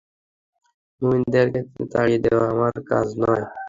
মুমিনদেরকে তাড়িয়ে দেয়া আমার কাজ নয়।